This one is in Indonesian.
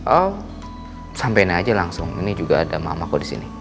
oh sampaikan aja langsung ini juga ada mama aku di sini